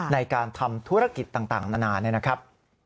ในการทำธุรกิจต่างนานาเนี่ยนะครับ